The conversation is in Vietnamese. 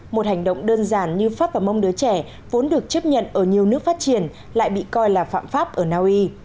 một hành động đơn giản như pháp và mong đứa trẻ vốn được chấp nhận ở nhiều nước phát triển lại bị coi là phạm pháp ở naui